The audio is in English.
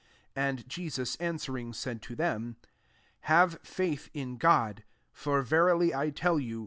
22 And Jesus answer ing, said to them, " Have faith in God. 23 For verily I tell you.